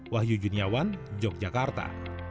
wahyu juniawan yogyakarta